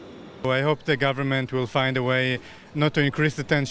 saya berharap pemerintah akan mencari cara bukan untuk meningkatkan tensi